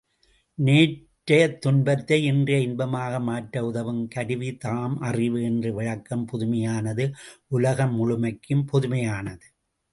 நேற்றையத் துன்பத்தை இன்றைய இன்பமாக மாற்ற உதவும் கருவிதாம் அறிவு என்ற விளக்கம் புதுமையானது உலகம் முழுமைக்கும் பொதுமையானது.